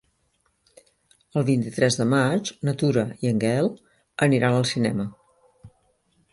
El vint-i-tres de maig na Tura i en Gaël aniran al cinema.